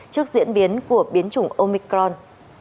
trước diễn biến của biến chủng omicron